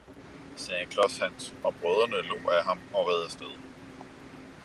sagde Klods-Hans og brødrene lo af ham og red af sted.